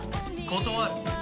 断る。